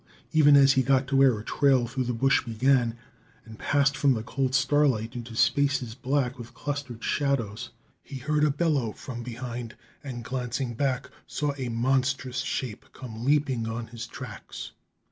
Even as he got to where a trail through the bush began, and passed from the cold starlight into spaces black with clustered shadows, he heard a bellow from behind, and, glancing back, saw a monstrous shape come leaping on his tracks.